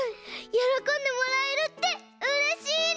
よろこんでもらえるってうれしいね！